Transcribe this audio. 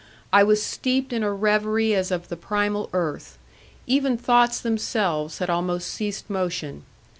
I was steeped in a revery as of the primal earth; even thoughts themselves had almost ceased motion.